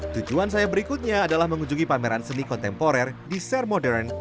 tujuan saya berikutnya adalah mengunjungi pameran seni kontemporer di share modern